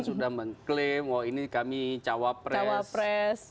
sudah mengklaim wah ini kami cawapres